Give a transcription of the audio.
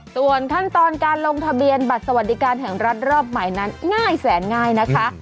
ส่วนขั้นตอนการลงทะเบียนบัตรสวัสดิการแห่งรัฐรอบใหม่นั้นง่ายแสนง่ายนะคะ